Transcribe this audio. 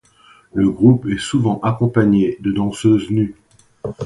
Le groupe est souvent accompagné de danseuses nues.